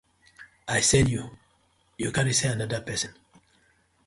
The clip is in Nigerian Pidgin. I sen yu, yu carry sen anoda pesin.